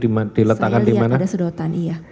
saya lihat ada sedotan iya